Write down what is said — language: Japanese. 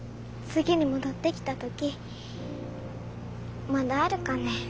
次に戻ってきた時まだあるかね